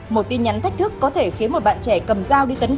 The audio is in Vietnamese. một tin nhắn thách thức có thể khiến một bạn trẻ cầm dao đi tới facebook